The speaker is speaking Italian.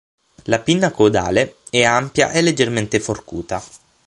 La pinna caudale è ampia e leggermente forcuta.